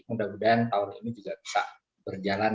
mudah mudahan tahun ini juga bisa berjalan